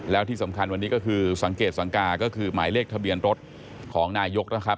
แล้วที่สำคัญวันนี้ก็คือสังเกตสังกาก็คือหมายเลขทะเบียนรถของนายกนะครับ